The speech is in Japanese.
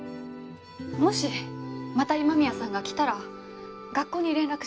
もしまた今宮さんが来たら学校に連絡してください。